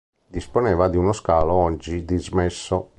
Disponeva di uno scalo oggi dismesso.